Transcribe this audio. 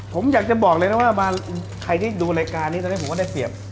ผมอยากจะบอกเลยนะว่าใครที่ดูรายการนี้ตอนนี้ผมก็ได้เปรียบ